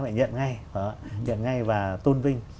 phải nhận ngay và tôn vinh